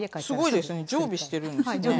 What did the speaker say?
すごいですね常備してるんですね。